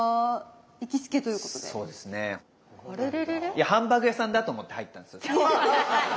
いやハンバーグ屋さんだと思って入ったんですよ。